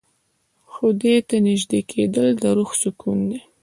خدای ته نژدې کېدل د روح سکون دی.